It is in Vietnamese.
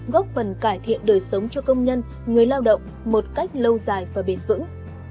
góp phần cải thiện đời sống cho công nhân người lao động một cách lâu dài và bền vững